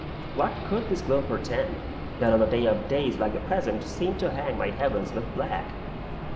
What could this gloom portend, that on a day of days like the present seemed to hang my heavens with black?